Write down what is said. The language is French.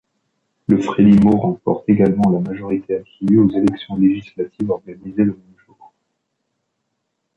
Le Frelimo remporte également la majorité absolue aux élections législatives organisées le même jour.